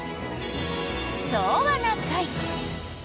「昭和な会」。